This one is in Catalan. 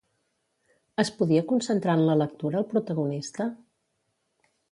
Es podia concentrar en la lectura el protagonista?